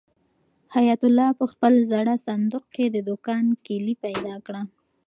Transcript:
حیات الله په خپل زاړه صندوق کې د دوکان کلۍ پیدا کړه.